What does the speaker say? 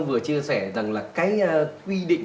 vừa chia sẻ rằng là cái quy định